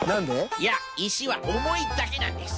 いやいしはおもいだけなんです。